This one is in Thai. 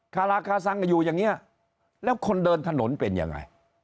คาราคาซังอยู่อย่างนี้แล้วคนเดินถนนเป็นยังไง